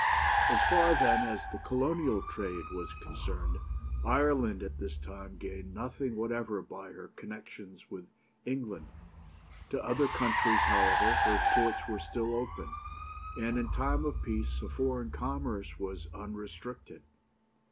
"As far, then, as the Colonial trade was concerned, Ireland at this time gained nothing whatever by her connection with England. To other countries, however, her ports were still open, and in time of peace a foreign commerce was unrestricted.